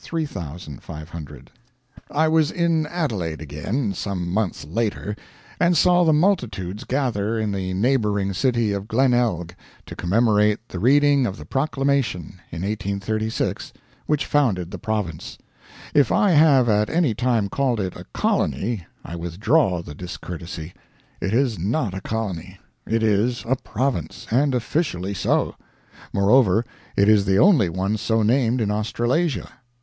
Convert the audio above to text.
3,500 I was in Adelaide again, some months later, and saw the multitudes gather in the neighboring city of Glenelg to commemorate the Reading of the Proclamation in 1836 which founded the Province. If I have at any time called it a Colony, I withdraw the discourtesy. It is not a Colony, it is a Province; and officially so. Moreover, it is the only one so named in Australasia.